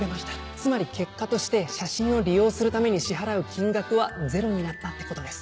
つまり結果として写真を利用するために支払う金額はゼロになったってことです。